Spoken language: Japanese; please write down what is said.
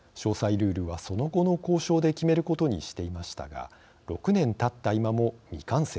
ルールはその後の交渉で決めることにしていましたが６年たった今も未完成でした。